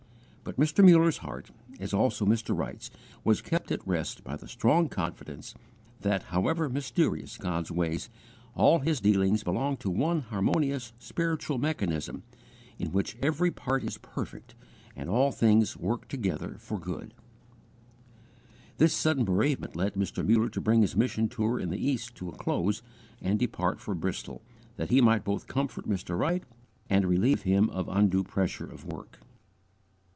But Mr. Muller's heart, as also Mr. Wright's, was kept at rest by the strong confidence that, however mysterious God's ways, all His dealings belong to one harmonious spiritual mechanism in which every part is perfect and all things work together for good. (Romans viii. 28.) This sudden bereavement led Mr. Muller to bring his mission tour in the East to a close and depart for Bristol, that he might both comfort Mr. Wright and relieve him of undue pressure of work.